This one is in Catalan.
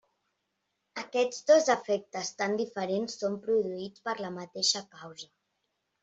Aquests dos efectes tan diferents són produïts per la mateixa causa.